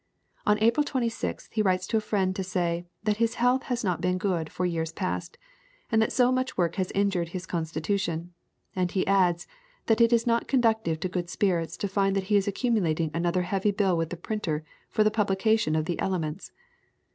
On April 26th he writes to a friend to say, that his health has not been good for years past, and that so much work has injured his constitution; and he adds, that it is not conducive to good spirits to find that he is accumulating another heavy bill with the printer for the publication of the "Elements."